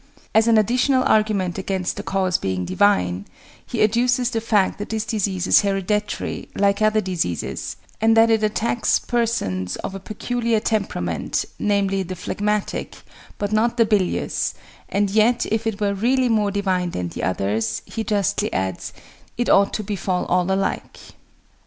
As an additional argument against the cause being divine, he adduces the fact that this disease is hereditary, like other diseases, and that it attacks persons of a peculiar temperament, namely, the phlegmatic, but not the bilious; and "yet if it were really more divine than the others," he justly adds, "it ought to befall all alike."